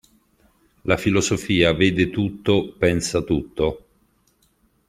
La filosofia vede tutto, pensa tutto.